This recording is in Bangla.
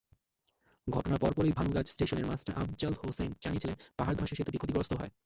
ঘটনার পরপরই ভানুগাছ স্টেশনের মাস্টার আফজাল হোসেন জানিয়েছিলেন, পাহাড় ধসে সেতুটি ক্ষতিগ্রস্ত হয়।